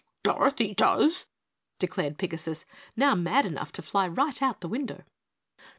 "Dorothy does," declared Pigasus, now mad enough to fly right out the window.